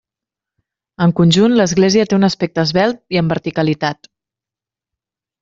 En conjunt l'església té un aspecte esvelt i amb verticalitat.